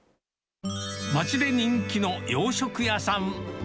町で人気の洋食屋さん。